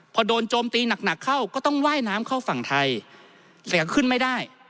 พอโดนโจมตีหนักหนักเข้าก็ต้องว่ายน้ำเข้าฝั่งไทยแต่ก็ขึ้นไม่ได้